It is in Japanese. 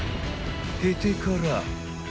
へてから。